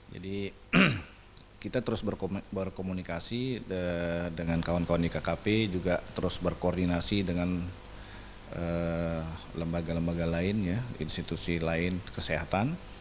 jadi kita terus berkomunikasi dengan kawan kawan di kkp juga terus berkoordinasi dengan lembaga lembaga lain institusi lain kesehatan